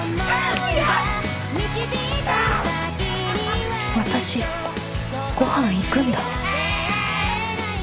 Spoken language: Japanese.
心の声私ごはん行くんだ。